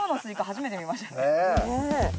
初めて見ました。